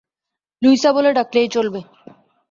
Luisa বলে ডাকলেই চলবে।